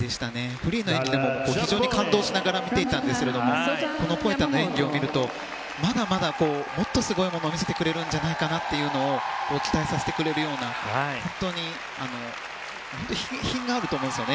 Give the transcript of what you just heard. フリーの演技でも非常に感動しながら見ていたんですがこの「ポエタ」の演技を見るとまだまだもっとすごいものを見せてくれるんじゃないかというのを期待させてくれるような本当に、本当に品があると思うんですよね。